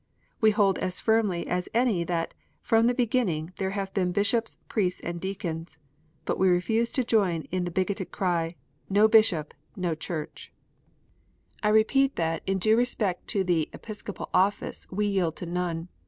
We hold as firmly as any that " from the beginning there have been bishops, priests, and deacons." But we refuse to join in the bigoted cry, "Xo Bishop, no Church." EVANGELICAL RELIGION. 13 I repeat that in due respect to the Episcopal office we yield to none.